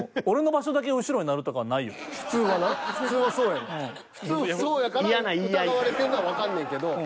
だからいや普通そうやから疑われてんのはわかんねんけど。